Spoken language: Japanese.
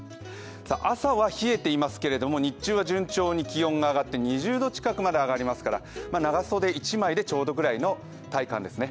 朝は冷えていますけれども、日中は順調に気温が上がって２０度近くまで上がりますから長袖一枚でちょうどぐらいの体感ですね。